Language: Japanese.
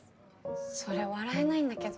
それ笑えないんだけど。